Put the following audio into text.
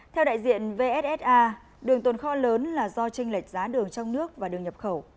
theo đại diện vssa đường tồn kho lớn là do tranh lệch giá đường trong nước và đường nhập khẩu